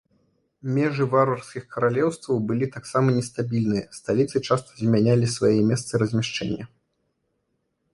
Межы варварскіх каралеўстваў былі таксама нестабільныя, сталіцы часта змянялі свае месцы размяшчэння.